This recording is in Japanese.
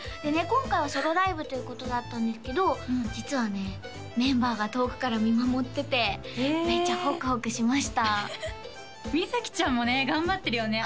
今回はソロライブということだったんですけど実はねメンバーが遠くから見守っててめっちゃホクホクしました瑞ちゃんもね頑張ってるよね